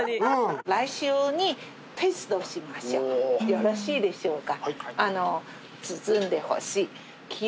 よろしいでしょうか。